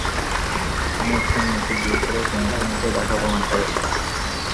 তুমি একটা মেয়েকে বিয়ে করে জনসম্মুখে তাকে অপমান করেছ।